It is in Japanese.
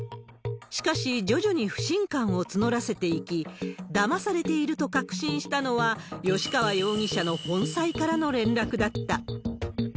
しかし、徐々に不信感を募らせていき、だまされていると確信したのは、吉川容疑者の本妻からの連絡だった。